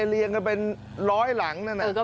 ลียงกันเป็นร้อยหลังนะคะ